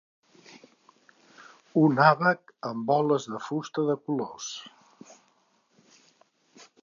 Un àbac amb boles de fusta de colors.